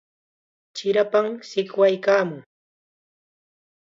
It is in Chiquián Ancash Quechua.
Chirapam shikwaykaamun.